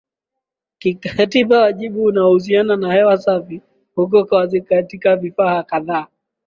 kikatiba Wajibu unaohusiana na hewa safi uko wazi katika vifaa kadhaa